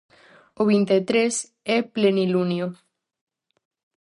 O vinte e tres é plenilunio.